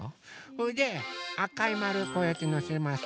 それであかいまるこうやってのせます。